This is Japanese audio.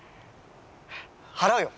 払うよ。